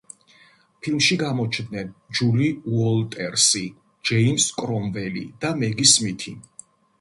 ფილმში გამოჩნდნენ ჯული უოლტერსი, ჯეიმზ კრომველი და მეგი სმითი.